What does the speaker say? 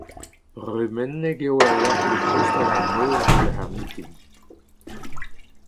Brumennek eo el lec'hioù tostañ d'ar mor diouzh ar mintin.